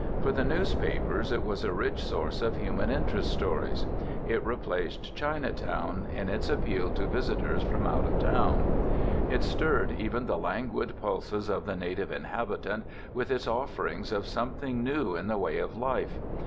For the newspapers it was a rich source of human interest stories. It replaced Chinatown in its appeal to visitors from out of town. It stirred even the languid pulses of the native inhabitant with its offerings of something new in the way of "life."